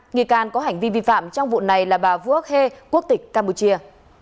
nghi can có hành vi vi phạm trong vụ này là bà vũ hê quốc tịch campuchia